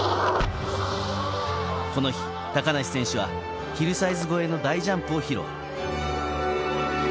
この日、高梨選手はヒルサイズ越えの大ジャンプを披露。